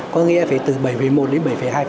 có nghĩa là phải từ bảy một đến bảy hai